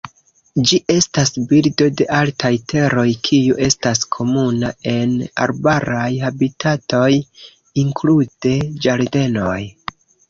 Ĝi estas birdo de altaj teroj kiu estas komuna en arbaraj habitatoj, inklude ĝardenoj.